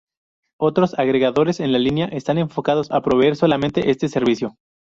Otros agregadores en línea están enfocados a proveer solamente este servicio.